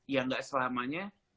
ya gak selamanya